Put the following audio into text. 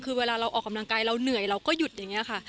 คือเวลาเราออกกำลังกายเราเหนื่อยเราก็หยุดอย่างนี้ค่ะ